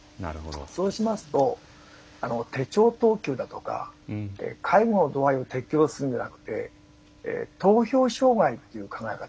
そうしますと手帳等級だとか介護の度合いを適用するんじゃなくて投票障害という考え方。